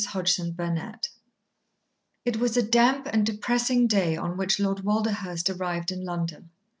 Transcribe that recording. Chapter Twenty three It was a damp and depressing day on which Lord Walderhurst arrived in London.